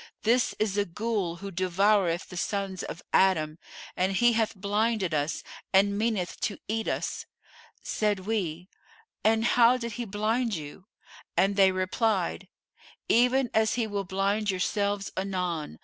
This is a Ghul who devoureth the Sons of Adam and he hath blinded us and meaneth to eat us.' Said we, 'And how did he blind you?' and they replied, 'Even as he will blind yourselves anon.